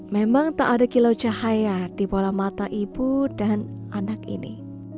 memang tak ada kilau cahaya di bola mata ibu dan anak ini